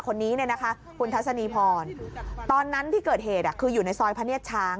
คนนี้เนี่ยนะคะคุณทัศนีพรตอนนั้นที่เกิดเหตุคืออยู่ในซอยพระเนียดช้าง